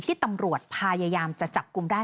ที่ตำรวจพยายามจะจับกลุ่มได้